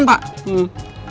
saya punya bukti